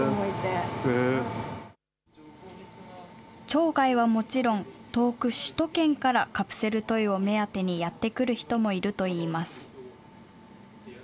町外はもちろん、遠く首都圏からカプセルトイを目当てにやって来る人もいるといいます。